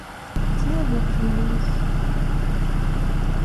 Ttnadiɣ fell-ak.